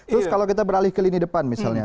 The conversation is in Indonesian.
terus kalau kita beralih ke lini depan misalnya